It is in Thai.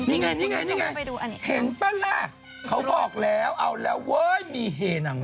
นี่ไงเห็นป่ะล่ะเขาบอกแล้วเอาแล้วเว้ยมีเหน่าะ